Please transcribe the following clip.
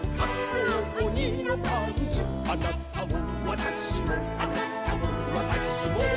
「あなたもわたしもあなたもわたしも」